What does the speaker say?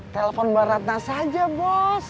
telepon mbak ratna saja bos